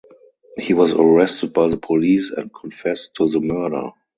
He was arrested by the police and confessed to the murder.